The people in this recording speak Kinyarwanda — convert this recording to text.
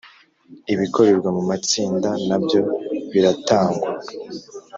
Ibikorerwa mu matsinda nabyo biratangwa